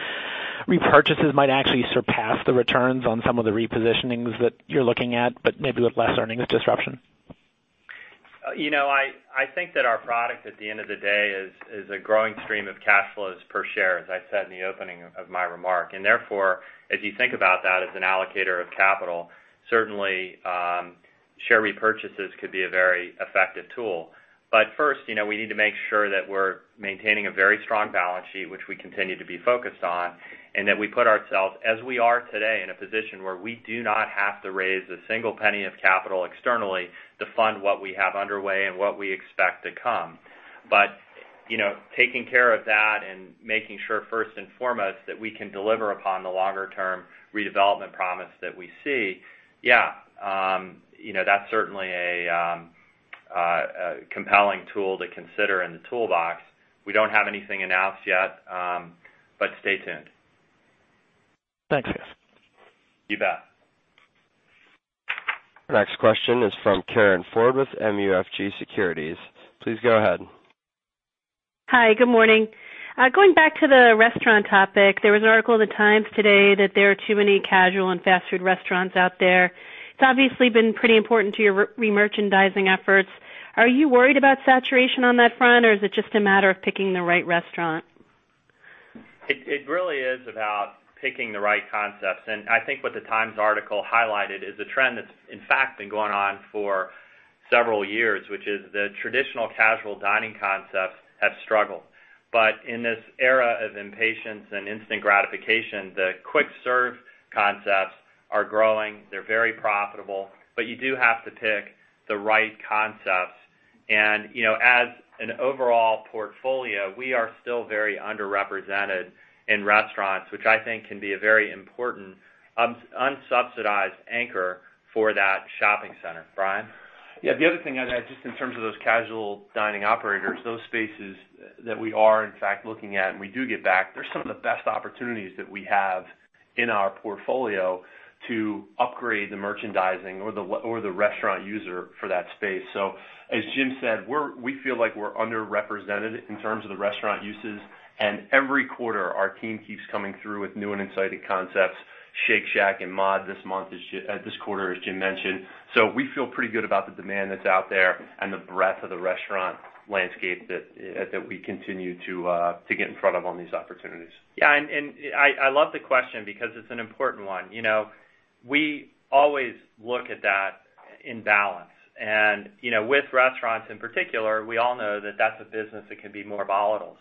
repurchases might actually surpass the returns on some of the repositionings that you're looking at, but maybe with less earnings disruption? I think that our product at the end of the day is a growing stream of cash flows per share, as I said in the opening of my remark. Therefore, if you think about that as an allocator of capital, certainly share repurchases could be a very effective tool. First, we need to make sure that we're maintaining a very strong balance sheet, which we continue to be focused on, and that we put ourselves, as we are today, in a position where we do not have to raise a single penny of capital externally to fund what we have underway and what we expect to come. Taking care of that and making sure first and foremost that we can deliver upon the longer-term redevelopment promise that we see, yeah, that's certainly a compelling tool to consider in the toolbox. We don't have anything announced yet, but stay tuned. Thanks, guys. You bet. Our next question is from Karin Ford with MUFG Securities. Please go ahead. Hi, good morning. Going back to the restaurant topic, there was an article in the Times today that there are too many casual and fast food restaurants out there. It's obviously been pretty important to your re-merchandising efforts. Are you worried about saturation on that front, or is it just a matter of picking the right restaurant? It really is about picking the right concepts. I think what the Times article highlighted is a trend that's in fact been going on for several years, which is the traditional casual dining concepts have struggled. In this era of impatience and instant gratification, the quick-serve concepts are growing. They're very profitable. You do have to pick the right concepts. As an overall portfolio, we are still very underrepresented in restaurants, which I think can be a very important unsubsidized anchor for that shopping center. Brian? Yeah. The other thing I'd add, just in terms of those casual dining operators, those spaces that we are in fact looking at, and we do get back, they're some of the best opportunities that we have in our portfolio to upgrade the merchandising or the restaurant user for that space. As Jim said, we feel like we're underrepresented in terms of the restaurant uses. Every quarter, our team keeps coming through with new and exciting concepts, Shake Shack and MOD this quarter, as Jim mentioned. We feel pretty good about the demand that's out there and the breadth of the restaurant landscape that we continue to get in front of on these opportunities. I love the question because it's an important one. We always look at that in balance. With restaurants in particular, we all know that that's a business that can be more volatile.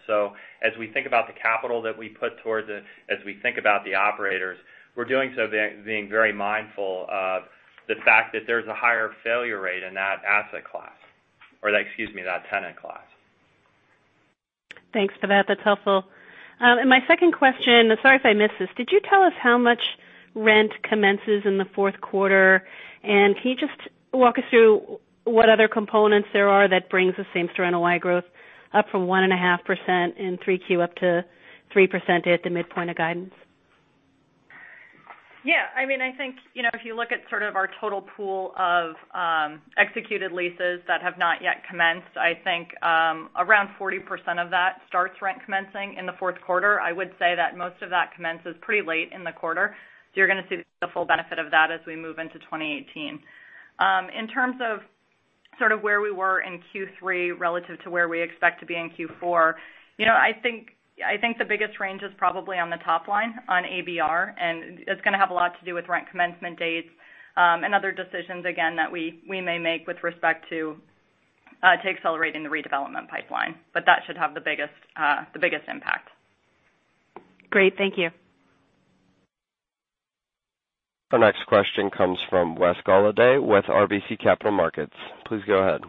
As we think about the capital that we put towards it, as we think about the operators, we're doing so being very mindful of the fact that there's a higher failure rate in that asset class, or excuse me, that tenant class. Thanks for that. That's helpful. My second question, sorry if I missed this, did you tell us how much rent commences in the fourth quarter? Can you just walk us through what other components there are that brings the same store NOI growth up from 1.5% in Q3 up to 3% at the midpoint of guidance? Yeah. I think, if you look at sort of our total pool of executed leases that have not yet commenced, I think, around 40% of that starts rent commencing in the fourth quarter. I would say that most of that commences pretty late in the quarter. You're going to see the full benefit of that as we move into 2018. In terms of sort of where we were in Q3 relative to where we expect to be in Q4, I think the biggest range is probably on the top line on ABR. It's going to have a lot to do with rent commencement dates, and other decisions, again, that we may make with respect to accelerating the redevelopment pipeline. That should have the biggest impact. Great. Thank you. Our next question comes from Wesley Golladay with RBC Capital Markets. Please go ahead.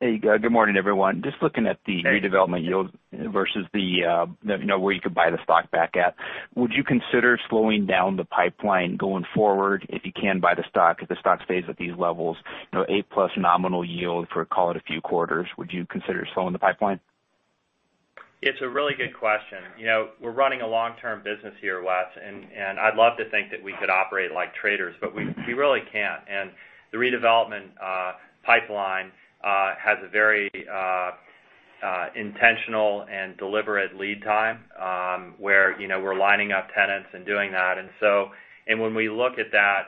Hey, guys. Good morning, everyone. Just looking at. Hey redevelopment yield versus where you could buy the stock back at, would you consider slowing down the pipeline going forward if you can buy the stock, if the stock stays at these levels, eight plus nominal yield for, call it, a few quarters, would you consider slowing the pipeline? It's a really good question. We're running a long-term business here, Wes, and I'd love to think that we could operate like traders, but we really can't. The redevelopment pipeline has a very intentional and deliberate lead time, where we're lining up tenants and doing that. When we look at that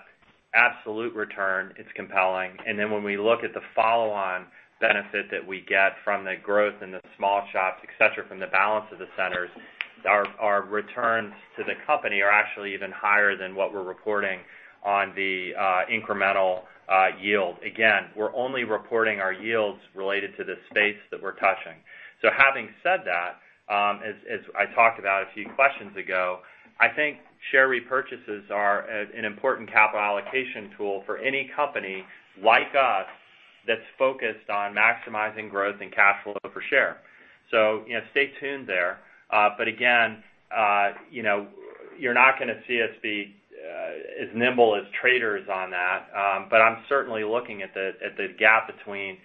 absolute return, it's compelling. When we look at the follow-on benefit that we get from the growth in the small shops, et cetera, from the balance of the centers, our returns to the company are actually even higher than what we're reporting on the incremental yield. Again, we're only reporting our yields related to the space that we're touching. Having said that, as I talked about a few questions ago, I think share repurchases are an important capital allocation tool for any company like us that's focused on maximizing growth and cash flow per share. Stay tuned there. Again, you're not going to see us be as nimble as traders on that. I'm certainly looking at the gap between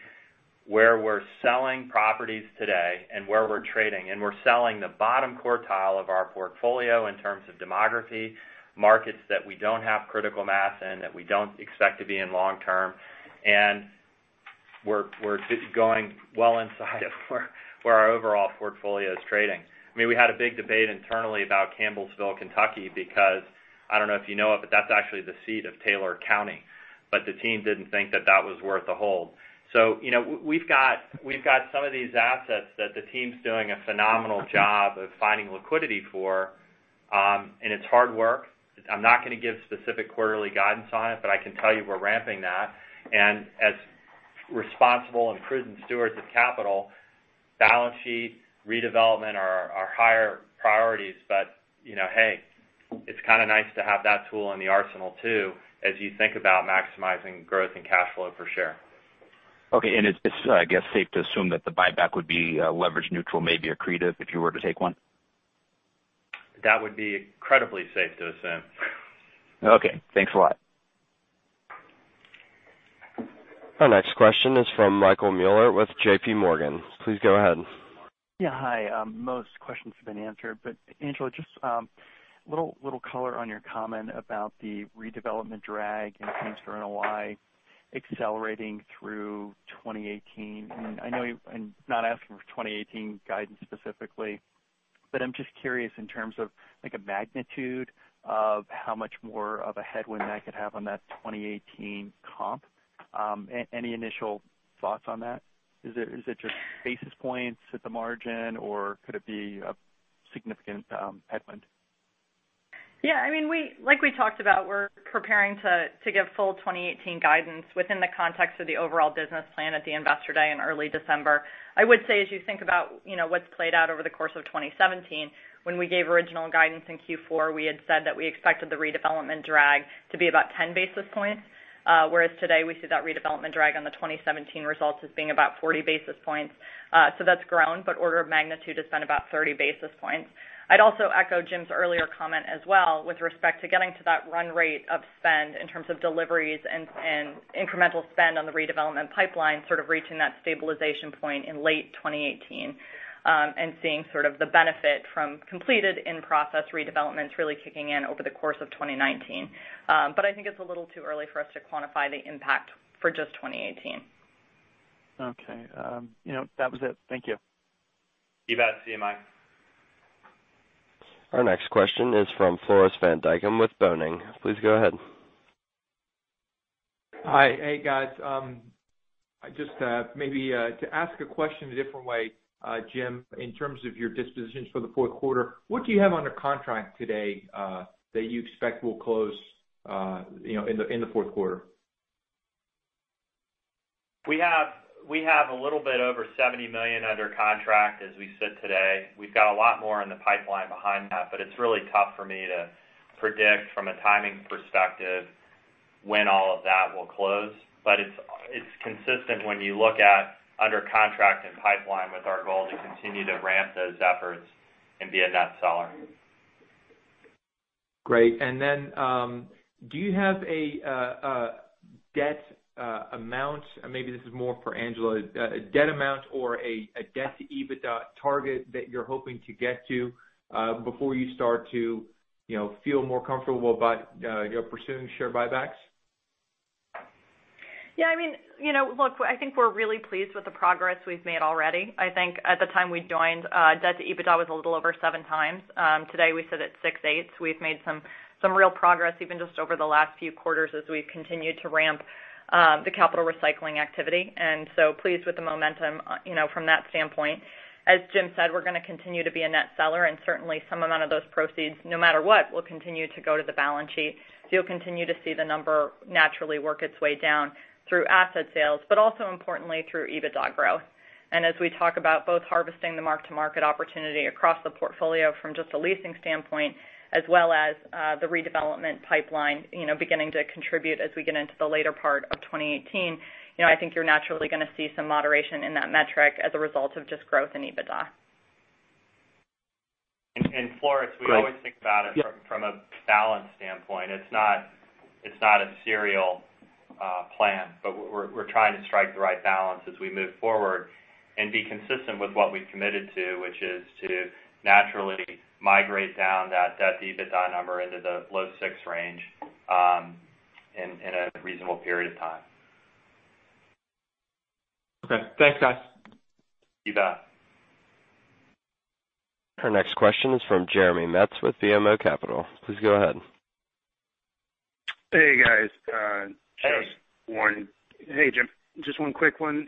where we're selling properties today and where we're trading. We're selling the bottom quartile of our portfolio in terms of demography, markets that we don't have critical mass in, that we don't expect to be in long term. We're going well inside of where our overall portfolio is trading. We had a big debate internally about Campbellsville, Kentucky, because I don't know if you know it, but that's actually the seat of Taylor County. The team didn't think that that was worth a hold. We've got some of these assets that the team's doing a phenomenal job of finding liquidity for. It's hard work. I'm not going to give specific quarterly guidance on it, I can tell you we're ramping that. As responsible and prudent stewards of capital, balance sheet, redevelopment are higher priorities. Hey, it's kind of nice to have that tool in the arsenal too, as you think about maximizing growth and cash flow per share. Okay. It's, I guess, safe to assume that the buyback would be leverage neutral, maybe accretive if you were to take one? That would be incredibly safe to assume. Okay. Thanks a lot. Our next question is from Michael Mueller with J.P. Morgan. Please go ahead. Yeah. Hi. Most questions have been answered. Angela, just little color on your comment about the redevelopment drag and change for NOI accelerating through 2018. I know I'm not asking for 2018 guidance specifically, but I'm just curious in terms of, like, a magnitude of how much more of a headwind that could have on that 2018 comp. Any initial thoughts on that? Is it just basis points at the margin, or could it be a significant headwind? Yeah. Like we talked about, we're preparing to give full 2018 guidance within the context of the overall business plan at the Investor Day in early December. I would say, as you think about what's played out over the course of 2017, when we gave original guidance in Q4, we had said that we expected the redevelopment drag to be about 10 basis points. Whereas today, we see that redevelopment drag on the 2017 results as being about 40 basis points. That's grown, but order of magnitude is down about 30 basis points. I'd also echo Jim's earlier comment as well with respect to getting to that run rate of spend in terms of deliveries and incremental spend on the redevelopment pipeline, sort of reaching that stabilization point in late 2018. Seeing sort of the benefit from completed in-process redevelopments really kicking in over the course of 2019. I think it's a little too early for us to quantify the impact for just 2018. Okay. That was it. Thank you. You bet. see you mate. Our next question is from Floris van Dijkum with Boenning. Please go ahead. Hi. Hey, guys. Just maybe to ask a question a different way, Jim, in terms of your dispositions for the fourth quarter, what do you have under contract today, that you expect will close in the fourth quarter? We have a little bit over $70 million under contract as we sit today. We've got a lot more in the pipeline behind that. It's really tough for me to predict from a timing perspective when all of that will close. It's consistent when you look at under contract and pipeline with our goal to continue to ramp those efforts and be a net seller. Great. Do you have a debt amount, maybe this is more for Angela, a debt amount or a debt to EBITDA target that you're hoping to get to before you start to feel more comfortable about pursuing share buybacks? Yeah. Look, I think we're really pleased with the progress we've made already. I think at the time we joined, debt to EBITDA was a little over seven times. Today, we sit at 6.8x. We've made some real progress even just over the last few quarters as we've continued to ramp the capital recycling activity. Pleased with the momentum from that standpoint. As Jim said, we're going to continue to be a net seller, and certainly some amount of those proceeds, no matter what, will continue to go to the balance sheet. You'll continue to see the number naturally work its way down through asset sales, but also importantly, through EBITDA growth. As we talk about both harvesting the mark-to-market opportunity across the portfolio from just a leasing standpoint, as well as the redevelopment pipeline beginning to contribute as we get into the later part of 2018, I think you're naturally going to see some moderation in that metric as a result of just growth in EBITDA. Floris- Right. Yep We always think about it from a balance standpoint. It's not a serial plan. We're trying to strike the right balance as we move forward and be consistent with what we've committed to, which is to naturally migrate down that debt-to-EBITDA number into the low six range in a reasonable period of time. Okay. Thanks, guys. You bet. Our next question is from Jeremy Metz with BMO Capital. Please go ahead. Hey, guys. Hey. Hey, Jim. Just one quick one.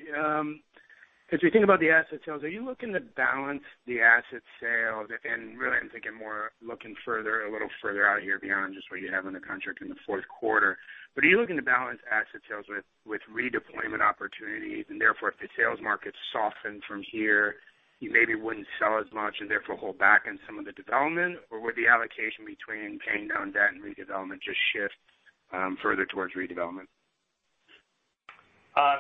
As we think about the asset sales, are you looking to balance the asset sales and really, I'm thinking more looking further, a little further out here beyond just what you have in the contract in the fourth quarter. Are you looking to balance asset sales with redeployment opportunities and therefore if the sales market softened from here, you maybe wouldn't sell as much and therefore hold back on some of the development? Would the allocation between paying down debt and redevelopment just shift further towards redevelopment?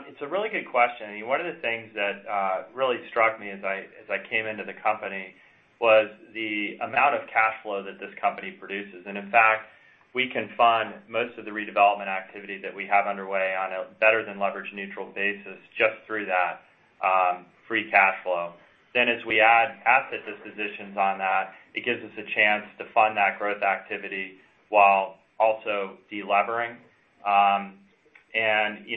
It's a really good question. One of the things that really struck me as I came into the company was the amount of cash flow that this company produces. In fact, we can fund most of the redevelopment activity that we have underway on a better than leverage neutral basis just through that free cash flow. As we add asset dispositions on that, it gives us a chance to fund that growth activity while also de-levering. As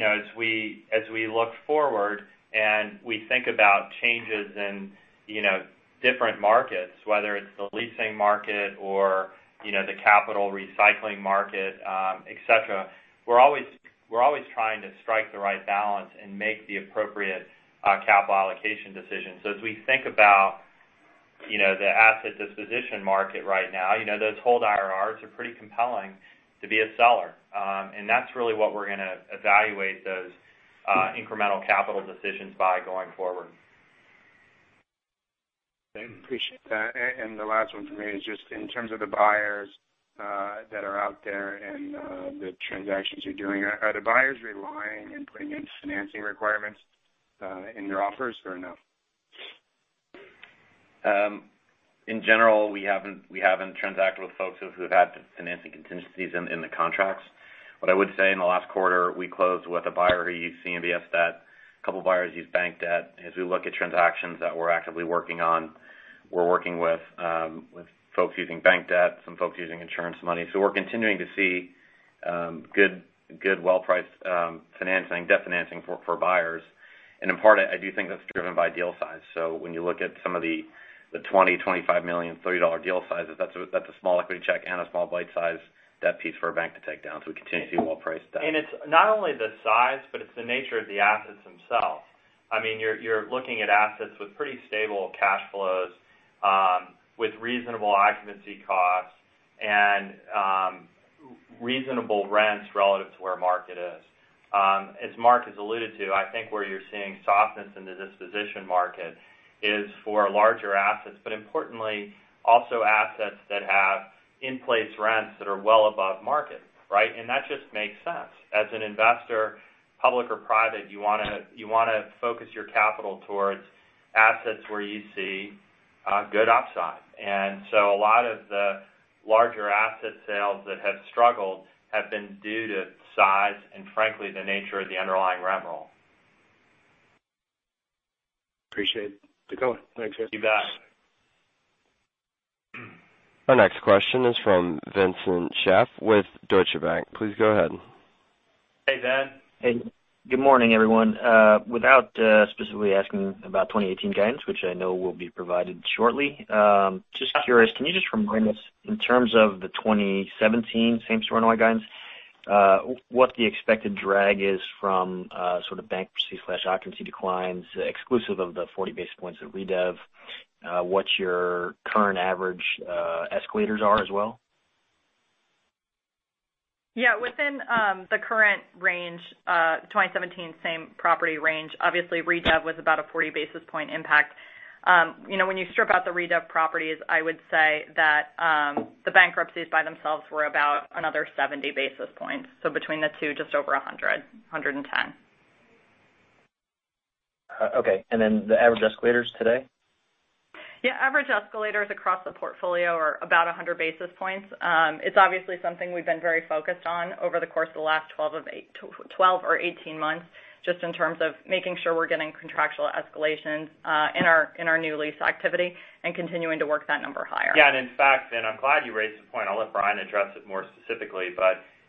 we look forward and we think about changes in different markets, whether it's the leasing market or the capital recycling market, et cetera, we're always trying to strike the right balance and make the appropriate capital allocation decisions. As we think about the asset disposition market right now, those hold IRR are pretty compelling to be a seller. That's really what we're going to evaluate those incremental capital decisions by going forward. Appreciate that. The last one for me is just in terms of the buyers that are out there and the transactions you're doing, are the buyers relying and putting in financing requirements in their offers or no? In general, we haven't transacted with folks who've had financing contingencies in the contracts. What I would say, in the last quarter, we closed with a buyer who used CMBS debt. A couple buyers used bank debt. As we look at transactions that we're actively working on, we're working with folks using bank debt, some folks using insurance money. We're continuing to see good, well-priced financing, debt financing for buyers. In part, I do think that's driven by deal size. When you look at some of the $20 million, $25 million, $30 million deal sizes, that's a small equity check and a small bite-size debt piece for a bank to take down. We continue to see well-priced debt. It's not only the size, but it's the nature of the assets themselves. You're looking at assets with pretty stable cash flows, with reasonable occupancy costs and reasonable rents relative to where market is. As Mark has alluded to, I think where you're seeing softness in the disposition market is for larger assets, but importantly, also assets that have in-place rents that are well above market. Right? That just makes sense. As an investor, public or private, you want to focus your capital towards assets where you see good upside. A lot of the larger asset sales that have struggled have been due to size and frankly, the nature of the underlying rent roll. Appreciate the color. Thanks, guys. You bet. Our next question is from Vincent Chopin with Deutsche Bank. Please go ahead. Hey, Dan. Hey, good morning, everyone. Without specifically asking about 2018 guidance, which I know will be provided shortly, just curious, can you just remind us in terms of the 2017 same-store NOI guidance, what the expected drag is from sort of bankruptcy/occupancy declines, exclusive of the 40 basis points of redev? What's your current average escalators are as well? Yeah. Within the current range, 2017 same property range, obviously redev was about a 40-basis-point impact. When you strip out the redev properties, I would say that the bankruptcies by themselves were about another 70 basis points. So between the two, just over 100, 110. Okay. Then the average escalators today? Yeah, average escalators across the portfolio are about 100 basis points. It's obviously something we've been very focused on over the course of the last 12 or 18 months, just in terms of making sure we're getting contractual escalations in our new lease activity and continuing to work that number higher. Yeah, in fact, I'm glad you raised the point. I'll let Brian address it more specifically,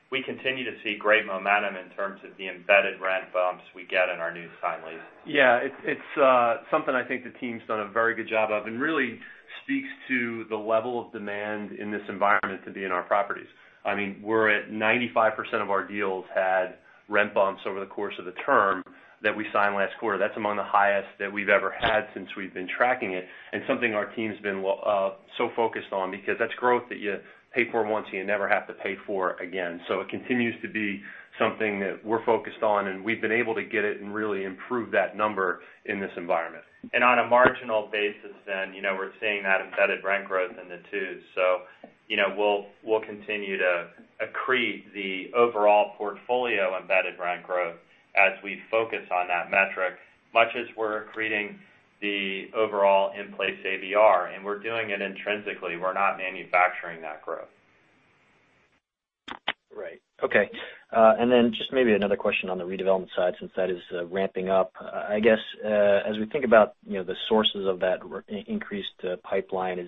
we continue to see great momentum in terms of the embedded rent bumps we get in our new sign lease. Yeah. It's something I think the team's done a very good job of and really speaks to the level of demand in this environment to be in our properties. We're at 95% of our deals had rent bumps over the course of the term that we signed last quarter. That's among the highest that we've ever had since we've been tracking it, something our team's been so focused on because that's growth that you pay for once, you never have to pay for again. It continues to be something that we're focused on, we've been able to get it and really improve that number in this environment. On a marginal basis then, we're seeing that embedded rent growth in the twos. We'll continue to accrete the overall portfolio-embedded rent growth as we focus on that metric, much as we're accreting the overall in-place ABR, we're doing it intrinsically. We're not manufacturing that growth. Right. Okay. Then just maybe another question on the redevelopment side since that is ramping up. As we think about the sources of that increased pipeline,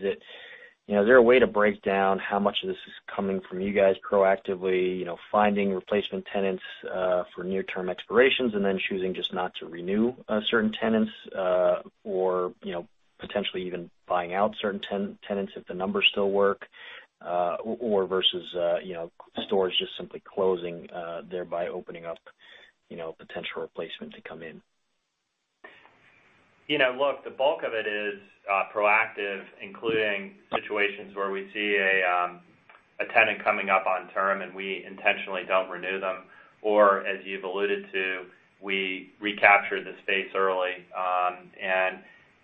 is there a way to break down how much of this is coming from you guys proactively finding replacement tenants for near-term expirations and then choosing just not to renew certain tenants, or potentially even buying out certain tenants if the numbers still work, or versus stores just simply closing, thereby opening up potential replacement to come in? Look, the bulk of it is proactive, including situations where we see a tenant coming up on term and we intentionally don't renew them, or as you've alluded to, we recapture the space early.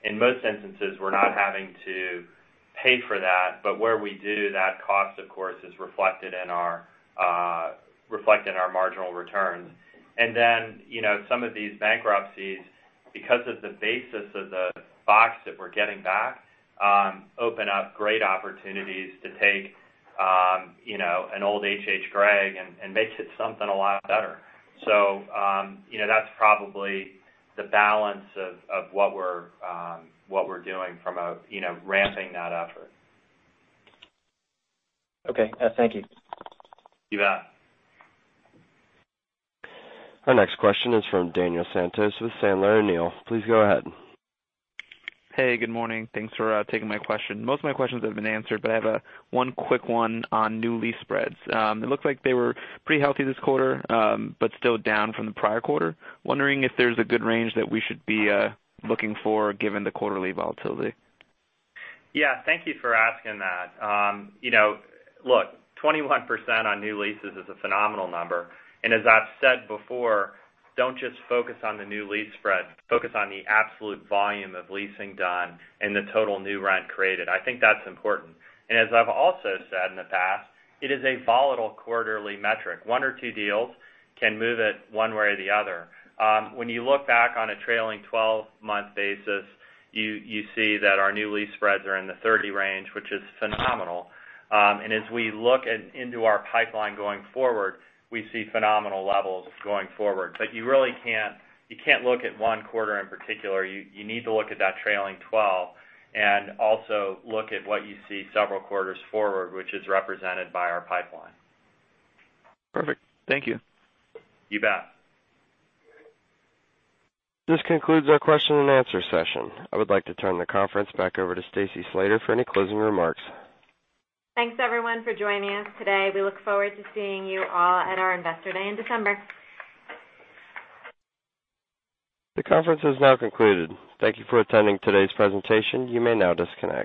In most instances, we're not having to pay for that. Where we do, that cost, of course, is reflected in our marginal returns. Then some of these bankruptcies, because of the basis of the box that we're getting back, open up great opportunities to take an old hhgregg and make it something a lot better. That's probably the balance of what we're doing from a ramping that effort. Okay. Thank you. You bet. Our next question is from Daniel Santos with Sandler O'Neill. Please go ahead. Hey, good morning. Thanks for taking my question. Most of my questions have been answered. I have one quick one on new lease spreads. It looks like they were pretty healthy this quarter, but still down from the prior quarter. Wondering if there's a good range that we should be looking for given the quarterly volatility. Yeah. Thank you for asking that. Look, 21% on new leases is a phenomenal number. As I've said before, don't just focus on the new lease spread. Focus on the absolute volume of leasing done and the total new rent created. I think that's important. As I've also said in the past, it is a volatile quarterly metric. One or two deals can move it one way or the other. When you look back on a trailing 12-month basis, you see that our new lease spreads are in the 30 range, which is phenomenal. As we look into our pipeline going forward, we see phenomenal levels going forward. You really can't look at one quarter in particular. You need to look at that trailing 12 and also look at what you see several quarters forward, which is represented by our pipeline. Perfect. Thank you. You bet. This concludes our question and answer session. I would like to turn the conference back over to Stacy Slater for any closing remarks. Thanks everyone for joining us today. We look forward to seeing you all at our Investor Day in December. The conference is now concluded. Thank you for attending today's presentation. You may now disconnect.